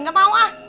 gak mau ah